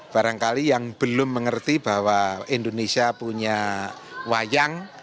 barangkali yang belum mengerti bahwa indonesia punya wayang